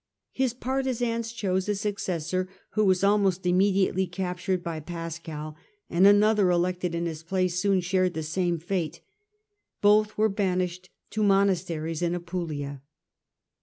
His partisans chose a successor, who was almost immediately captured by Pascal, and another elected in his place soon shared the same fate : both were banished to monasteries in Apulia.